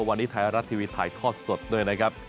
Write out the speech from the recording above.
วันนี้ไทยรัฐทีวีถ่ายทอดสดด้วยนะครับ